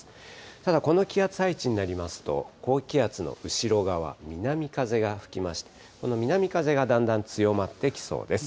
ただこの気圧配置になりますと、高気圧の後ろ側、南風が吹きまして、この南風がだんだん強まってきそうです。